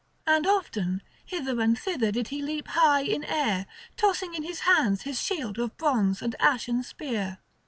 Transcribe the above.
And often hither and thither did he leap high in air tossing in his hands his shield of bronze and ashen spear.